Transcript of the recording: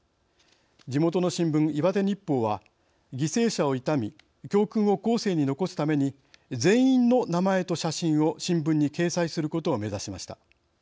地元の新聞、岩手日報は犠牲者を悼み教訓を後世に残すために全員の名前と写真を新聞に掲載することを目指しました。